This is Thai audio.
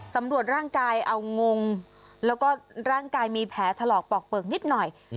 สำรวจร่างกายเอางงแล้วก็ร่างกายมีแผลถลอกปอกเปลือกนิดหน่อย